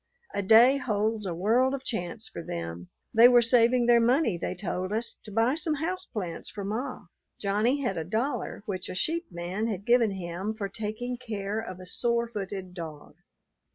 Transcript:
A day holds a world of chance for them. They were saving their money, they told us, "to buy some house plants for ma." Johnny had a dollar which a sheep man had given him for taking care of a sore footed dog.